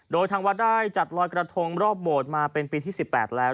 โดยทางวัดได้จัดลอยกระทงรอบโบสถ์มาเป็นปีที่๑๘แล้ว